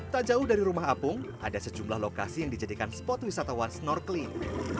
tak jauh dari rumah apung ada sejumlah lokasi yang dijadikan spot wisatawan snorkeling